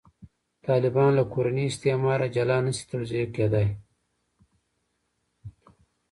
طالبان له «کورني استعماره» جلا نه شي توضیح کېدای.